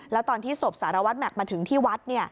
แล้วตอนที่ศพสารวัตรแม็กซ์มาถึงที่วัด